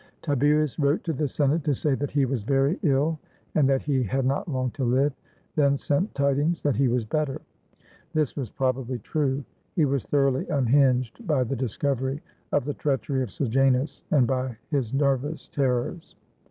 Tiberius wrote to the Senate to say that he was very 423 ROME ill, and that he had not long to live ; then sent tidings that he was better. This was probably true. He was thoroughly unhinged by the discovery of the treachery of Sejanus, and by his nervous terrors.